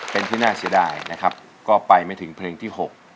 เป็นที่น่าเสียดายนะครับก็ไปไม่ถึงเพลงที่๖